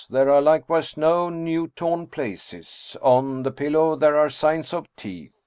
There are likewise no new torn places. On the pillow there are signs of teeth.